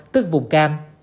tức vùng cam